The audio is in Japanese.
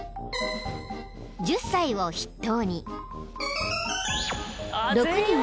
［１０歳を筆頭に］